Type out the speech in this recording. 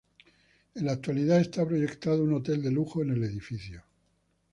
En la actualidad está proyectado un hotel de lujo en el edificio.